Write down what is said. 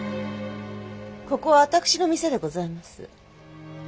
ここは私の店でございます。